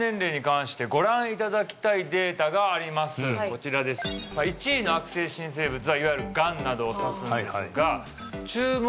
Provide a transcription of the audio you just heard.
こちらです位の悪性新生物はいわゆるがんなどを指すんですが輒椶